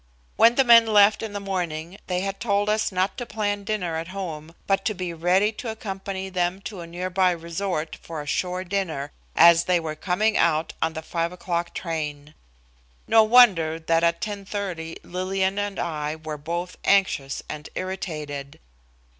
When the men left in the morning they had told us not to plan dinner at home, but to be ready to accompany them to a nearby resort for a "shore dinner," as they were coming out on the 5 o'clock train. No wonder that at 10:30 Lillian and I were both anxious and irritated.